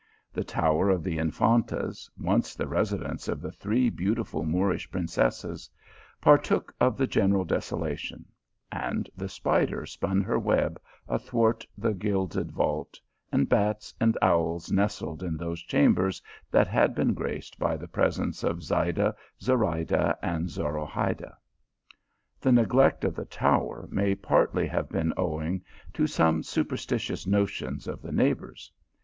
The tower of the Infantas, once the residence of the three beautiful Moorish princesses, partook of the general desolation ; and the spider spun her web athwart the gilded vault, and bats and owls nestled in those chambers that had been graced by the pres ence of Zayda, Zorayda, and Zorahayda. The ne glect of the tower may partly have been owing to some superstitious notions of the neighbours.